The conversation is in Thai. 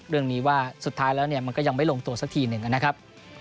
เรื่องนี้ว่าสุดท้ายแล้วเนี่ยมันก็ยังไม่ลงตัวสักทีหนึ่งนะครับ